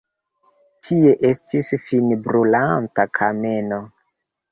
Tie estis finbrulanta kameno.